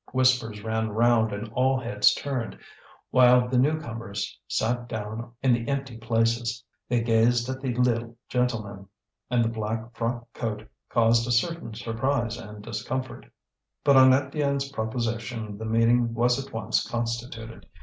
Whispers ran round and all heads turned, while the new comers sat down in the empty places. They gazed at the Lille gentleman, and the black frock coat caused a certain surprise and discomfort. But on Étienne's proposition the meeting was at once constituted.